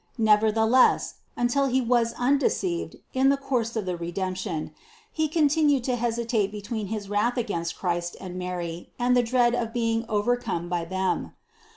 Nevertheless, until he was undeceived in the course of the Redemption, he continued to hesitate between his wrath against Christ and Mary and the dread of being overcome by Them.